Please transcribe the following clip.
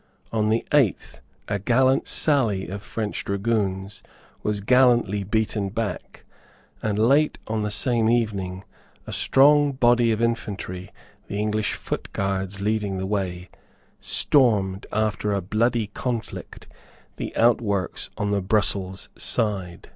On the eighth a gallant sally of French dragoons was gallantly beaten back; and, late on the same evening, a strong body of infantry, the English footguards leading the way, stormed, after a bloody conflict, the outworks on the Brussels side.